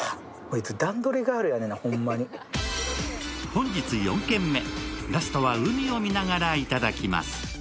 本日４軒目、ラストは海を見ながらいただきます。